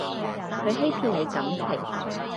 佢欺騙你感情